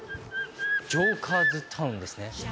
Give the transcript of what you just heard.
ジョーカーズタウンですね。